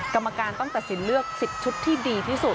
กรรมการต้องตัดสินเลือก๑๐ชุดที่ดีที่สุด